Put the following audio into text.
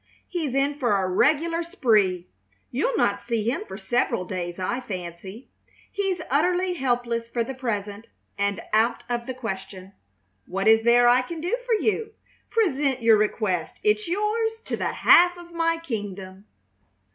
He's in for a regular spree. You'll not see him for several days, I fancy. He's utterly helpless for the present, and out of the question. What is there I can do for you? Present your request. It's yours to the half of my kingdom."